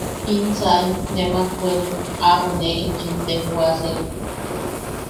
–¡In saim, nemak werim! aʼabo ne enchim tejwasek.